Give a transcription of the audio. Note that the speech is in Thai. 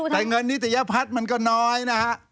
แต่เงินนิตยพัฒน์มันก็น้อยนะฮะ